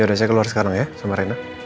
ya udah saya keluar sekarang ya sama rena